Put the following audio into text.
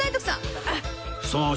そう。